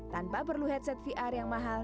tanpa perlu headset vr yang mahal